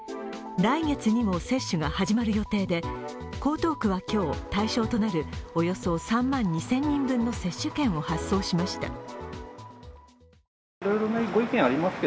来月にも摂取が始まる予定で、江東区は今日、対象となるおよそ３万２０００人分の接種券を発送しました。